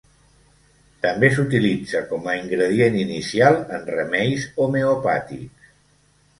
També s'utilitza com a ingredient inicial en remeis homeopàtics.